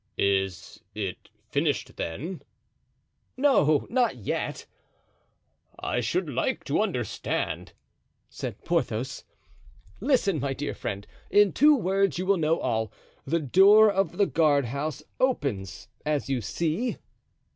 "It is finished, then?" "No, not yet." "I should like to understand," said Porthos. "Listen, my dear friend; in two words you will know all. The door of the guardhouse opens, as you see."